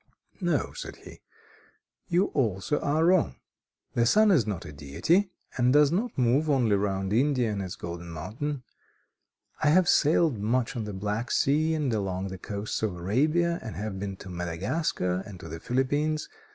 "No," said he, "you also are wrong. The sun is not a Deity, and does not move only round India and its golden mountain. I have sailed much on the Black Sea, and along the coasts of Arabia, and have been to Madagascar and to the Philippines.